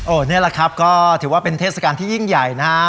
นี่แหละครับก็ถือว่าเป็นเทศกาลที่ยิ่งใหญ่นะฮะ